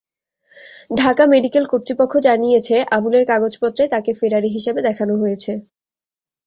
Dhaka medical কর্তৃপক্ষ জানিয়েছে, আবুলের কাগজপত্রে তাঁকে ফেরারি হিসেবে দেখানো হয়েছে।